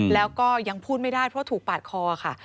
แล้วก็ยังพูดไม่ได้เพราะถูกปาดคอค่ะ